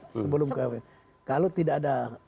sebelum ke kalau tidak ada